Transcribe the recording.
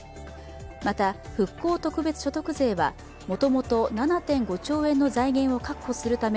また、復興特別所得税は、もともと７．５兆円の財源を確保するため